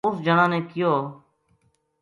اُس جنا نے کہیو